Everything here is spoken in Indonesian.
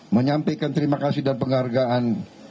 menyampaikan terima kasih dan penghargaan